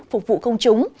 phục vụ công chúng